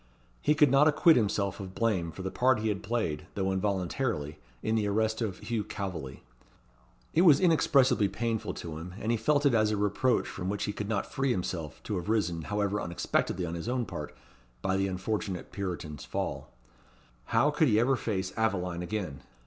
He could not acquit himself of blame for the part he had played, though involuntarily, in the arrest of Hugh Calveley. It was inexpressibly painful to him; and he felt it as a reproach from which he could not free himself, to have risen, however unexpectedly on his own part, by the unfortunate Puritan's fall. How could he ever face Aveline again!